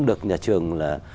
được nhà trường